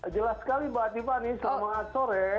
jelas sekali mbak tiffany selamat sore